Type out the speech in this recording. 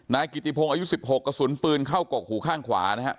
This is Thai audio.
นายกิติพงศ์อายุ๑๖กระสุนปืนเข้ากกหูข้างขวานะฮะ